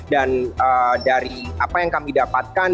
dan dari apa yang kami dapatkan